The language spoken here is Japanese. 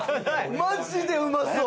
マジでうまそう！